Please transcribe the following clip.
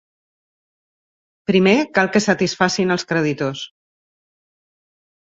Primer cal que satisfacin els creditors.